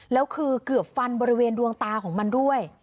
แล้วคือเกือบฟันบริเวณดวงตาของมันด้วย